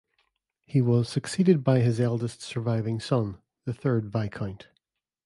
He was succeeded by his eldest surviving son, the third Viscount.